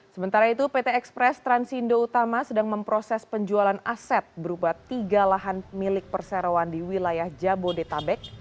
sementara itu pt express transindo utama sedang memproses penjualan aset berupa tiga lahan milik perseroan di wilayah jabodetabek